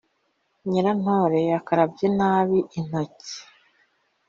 nyirantore yakarabye nabi intoke